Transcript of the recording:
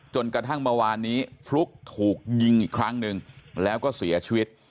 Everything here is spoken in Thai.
จนกระทั่งเมื่อวานนี้ฟลุ๊กถูกยิงอีกครั้งหนึ่งแล้วก็เสียชีวิต